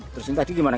terus ini tadi gimana